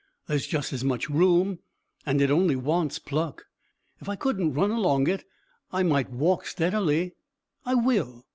There is just as much room, and it only wants pluck. If I couldn't run along it I might walk steadily. I will."